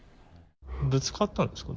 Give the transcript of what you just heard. ぶつかったんですか？